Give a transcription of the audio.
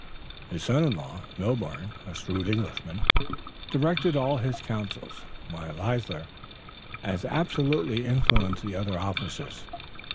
His son in law, Milborne, a shrewd Englishman, directed all his councils, while Leisler as absolutely influenced the other officers.